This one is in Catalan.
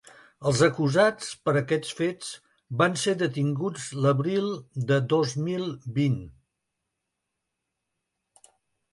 Els acusats per aquests fets, van ser detinguts l’abril de dos mil vint.